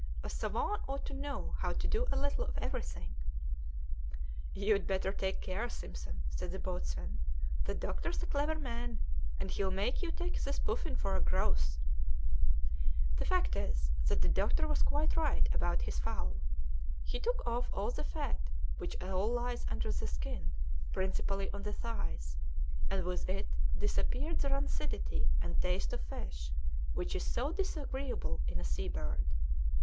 "A savant ought to know how to do a little of everything." "You'd better take care, Simpson," said the boatswain; "the doctor's a clever man, and he'll make you take this puffin for a grouse." The fact is that the doctor was quite right about his fowl; he took off all the fat, which all lies under the skin, principally on the thighs, and with it disappeared the rancidity and taste of fish which is so disagreeable in a sea bird.